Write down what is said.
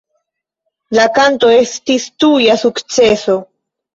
La kanto estis tuja sukceso.